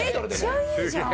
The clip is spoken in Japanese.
めっちゃいいじゃん。